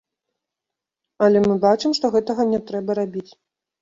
Але мы бачым, што гэтага не трэба рабіць.